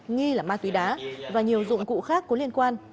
nghi là ma túy đá và nhiều dụng cụ khác có liên quan